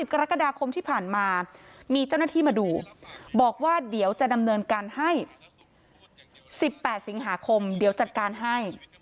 กรกฎาคมที่ผ่านมามีเจ้าหน้าที่มาดูบอกว่าเดี๋ยวจะดำเนินการให้๑๘สิงหาคมเดี๋ยวจัดการให้